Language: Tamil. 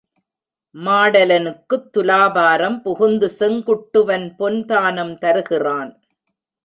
மாடலனுக்குத் துலாபாரம் புகுந்து செங்குட்டுவன் பொன்தானம் தருகிறான்.